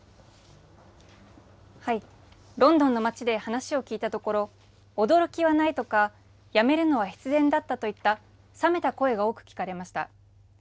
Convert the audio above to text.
ロンドンの街で話を聞いたところ、驚きはないとか、辞めるのは必然だったといった、冷めた声が多く聞かれました。